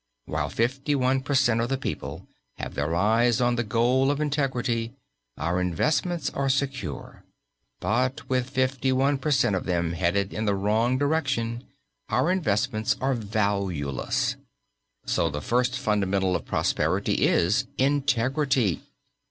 While fifty one per cent. of the people have their eyes on the goal of Integrity, our investments are secure; but with fifty one per cent. of them headed in the wrong direction, our investments are valueless. So the first fundamental of prosperity is integrity.